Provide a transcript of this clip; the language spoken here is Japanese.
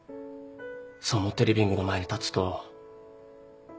そう思ってリビングの前に立つと。